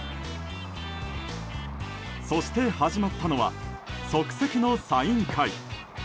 そして始まったのは即席のサイン会。